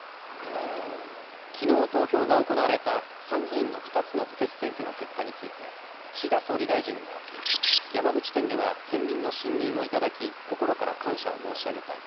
きのう投票が行われた参議院の２つの補欠選挙の結果について岸田総理大臣は山口県では県民の信任を頂き、心から感謝を申し上げたい。